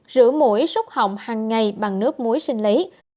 rửa mũi xúc họng hằng ngày bằng nước muối sinh lý